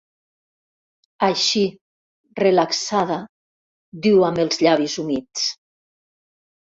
Així, relaxada, diu amb els llavis humits.